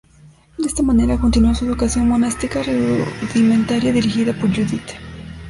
De esta manera continuó su educación monástica rudimentaria dirigida por Judith.